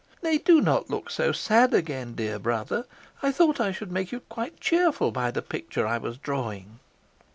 Nay, do not look so sad again, dear brother. I thought I should make you quite cheerful by the picture I was drawing."